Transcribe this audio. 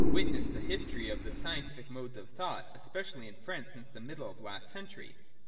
Witness the history of the scientific modes of thought, especially in France since the middle of last century.